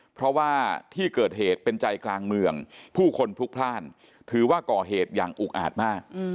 เพราะว่าที่เกิดเหตุเป็นใจกลางเมืองผู้คนพลุกพลาดถือว่าก่อเหตุอย่างอุกอาจมาก